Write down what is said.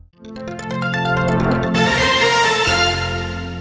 สวัสดีครับ